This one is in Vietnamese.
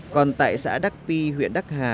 còn tại xã đắc pi huyện đắc hà